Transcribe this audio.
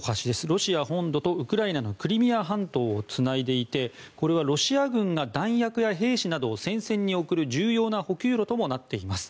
ロシア本土とウクライナのクリミア半島をつないでいてこれはロシア軍が弾薬や兵士などを戦線へ送る重要な補給路ともなっています。